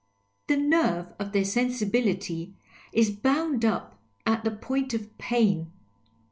Tlic nerve of their sensibility is bound up at the point of pain.